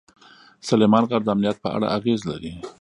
سلیمان غر د امنیت په اړه اغېز لري.